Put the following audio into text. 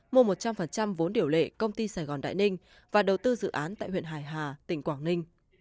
mua một trăm linh vốn điều lệ công ty sài gòn đại ninh và đầu tư dự án tại huyện hải hà tỉnh quảng ninh